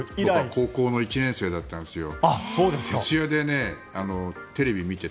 高校の１年生だったんですよ。